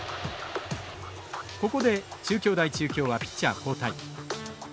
ここで中京大中京はピッチャー交代。